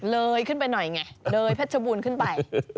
เลยขึ้นไปหน่อยไงเลยเพชรบูรณ์ขึ้นไป